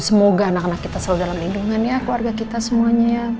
semoga anak anak kita selalu dalam lindungan ya keluarga kita semuanya ya